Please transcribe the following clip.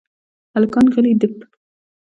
هلکان غلي دپ .